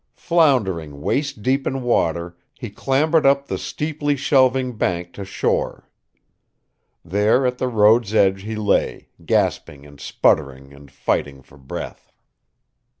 Floundering waist deep in water, he clambered up the steeply shelving bank to shore. There at the road's edge he lay, gasping and sputtering and fighting for breath.